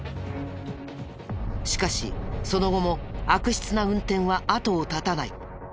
しかしその後も悪質な運転は後を絶たない。